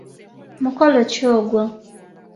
Mukolo ki ogwo?